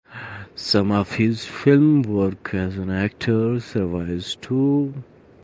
Some of his film work as an actor survives, too.